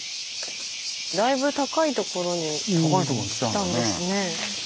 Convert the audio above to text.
だいぶ高いとこに来たんだね。